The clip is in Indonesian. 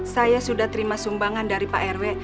saya sudah terima sumbangan dari pak rw